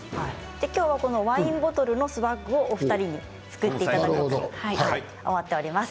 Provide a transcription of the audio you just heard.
今日はワインボトルのスワッグをお二人に作っていただこうと思っています。